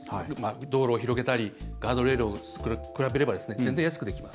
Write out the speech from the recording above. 道路を広げたりガードレールと比べれば全然、安くできます。